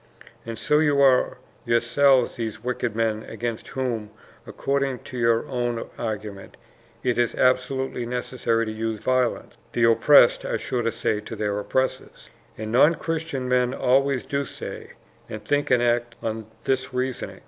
And so you are yourselves these wicked men against whom, according to your own argument, it is absolutely necessary to use violence," the oppressed are sure to say to their oppressors. And non Christian men always do say, and think and act on this reasoning.